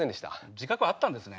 自覚あったんですね。